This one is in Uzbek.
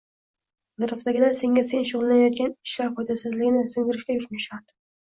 Atrofdagilar senga sen shug‘ullanayotgan ishlar foydasizligini singdirishga urinishadi.